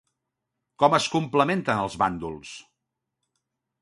Com es complementen els bàndols?